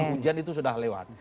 ujian itu sudah lewat